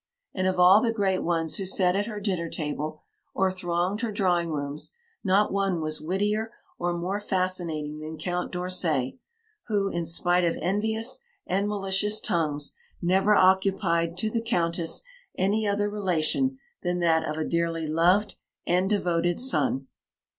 And of all the great ones who sat at her dinner table or thronged her drawing rooms not one was wittier or more fascinating than Count d'Orsay, who, in spite of envious and malicious tongues, never occupied to the Countess any other relation than that of a dearly loved and devoted son.